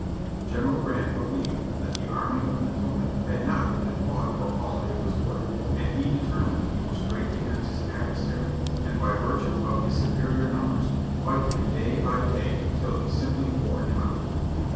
General Grant believed that the Army of the Potomac had not been fought for all it was worth, and he determined to move straight against his adversary, and by virtue of his superior num bers, fight him day by day until he simply wore him out.